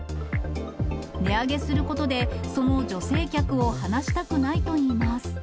値上げすることで、その女性客を離したくないといいます。